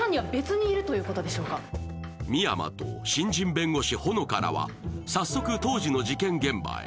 深山と新人弁護士・穂乃香らは早速当時の事件現場へ。